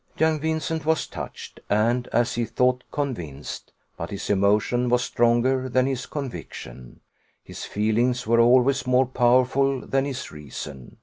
Young Vincent was touched, and, as he thought, convinced; but his emotion was stronger than his conviction his feelings were always more powerful than his reason.